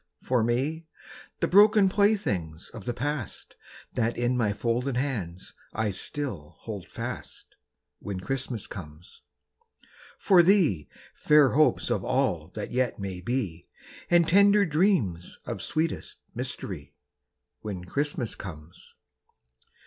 For me, the broken playthings of the past That in my folded hands I still hold fast, When Christmas comes. For thee, fair hopes of all that yet may be, And tender dreams of sweetest mystery, When Christmas comes.